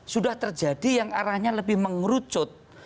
sudah terjadi yang arahnya lebih mengerucut